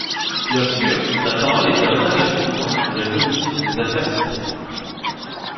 Bien sûr ! La parole est à Madame la présidente de la commission des affaires sociales.